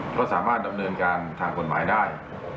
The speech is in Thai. ก็สามารถดำเนินการทางกฎหมายได้